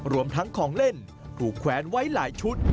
รวมทั้งของเล่นถูกแขวนไว้หลายชุด